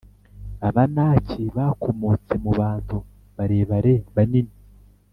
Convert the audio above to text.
Abanaki bakomotse mu Bantu barebare banini